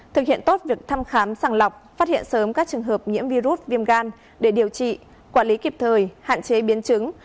thực hiện tốt việc thăm khám sàng lọc phát hiện sớm các trường hợp nhiễm virus viêm gan để điều trị quản lý kịp thời hạn chế biến chứng